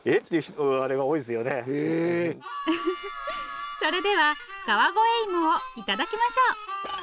ウフフフそれでは川越いもを頂きましょう。